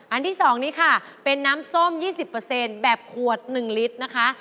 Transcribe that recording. ที่๒นี้ค่ะเป็นน้ำส้ม๒๐แบบขวด๑ลิตรนะคะ